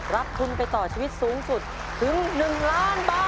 รับทุนไปต่อชีวิตสูงสุดถึง๑ล้านบาท